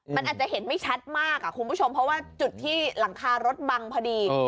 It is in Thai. มันอาจจะเห็นไม่ชัดมากคุณผู้ชมเพราะว่าจุดที่หลังคารถบังพอดี